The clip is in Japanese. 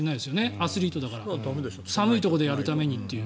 アスリートだから寒いところでやるためにという。